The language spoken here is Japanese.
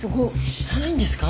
知らないんですか？